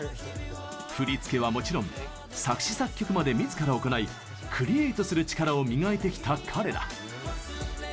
振り付けはもちろん作詞・作曲まで自ら行いクリエイトする力を磨いてきた彼ら。